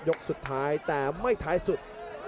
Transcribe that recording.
ยกสุดท้ายแต่ไม่ท้ายสุด